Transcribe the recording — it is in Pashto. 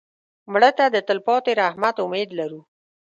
مړه ته د تلپاتې رحمت امید لرو